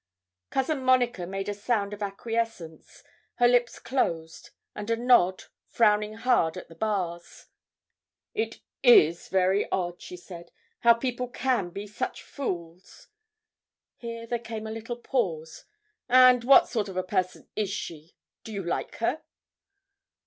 Cousin Monica made a sound of acquiescence her lips closed and a nod, frowning hard at the bars. 'It is very odd!' she said; 'how people can be such fools!' Here there came a little pause. 'And what sort of person is she do you like her?'